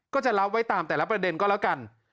ก็จะรับไว้ตามแต่ละประเด็นก็แล้วกัน